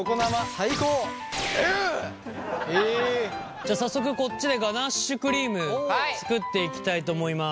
じゃあ早速こっちでガナッシュクリーム作っていきたいと思います。